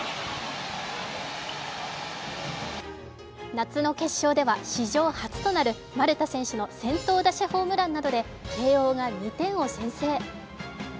夏の決勝では史上初となる丸田選手の先頭打者ホームランなどで慶応が２点を先制。